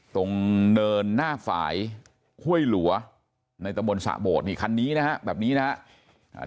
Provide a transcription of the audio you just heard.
ตรงเนินหน้าฝ่ายข้วยหลัวในตะบนสะโบดคันนี้นะครับแบบนี้นะครับ